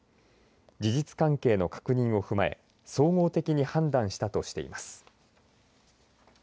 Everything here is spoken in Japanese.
事実関係の確認を踏まえ総合的に判断したとしています。